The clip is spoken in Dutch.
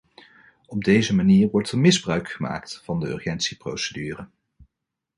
Op deze manier wordt er misbruik gemaakt van de urgentieprocedure.